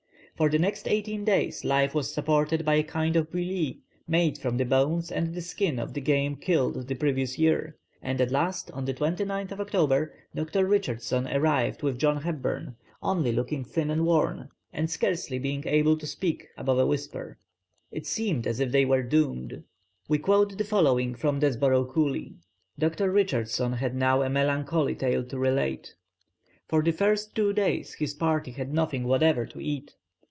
For the next eighteen days life was supported by a kind of bouilli made from the bones and the skin of the game killed the previous year, and at last, on the 29th October, Dr. Richardson arrived with John Hepburn, only looking thin and worn, and scarcely able to speak above a whisper. It seemed as if they were doomed! We quote the following from Desborough Cooley: "Dr. Richardson had now a melancholy tale to relate. For the first two days his party had nothing whatever to eat.